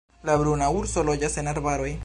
La bruna urso loĝas en arbaroj.